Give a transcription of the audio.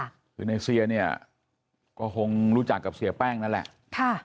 คือในเซียเนี่ยก็คงรู้จักกับเสียแป้งนั่นแหละค่ะ